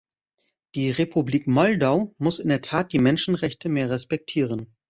Die Republik Moldau muss in der Tat die Menschenrechte mehr respektieren.